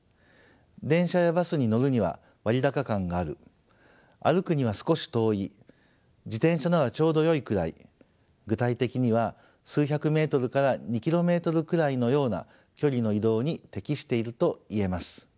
電車やバスに乗るには割高感がある歩くには少し遠い自転車ならちょうどよいくらい具体的には数百ｍから２ｋｍくらいのような距離の移動に適していると言えます。